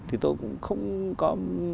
thì tôi cũng không có